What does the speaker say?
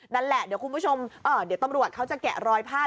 นั่นแหละเดี๋ยวคุณผู้ชมเดี๋ยวตำรวจเขาจะแกะรอยภาพ